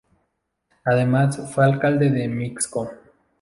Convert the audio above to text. Además fue alcalde de Mixco.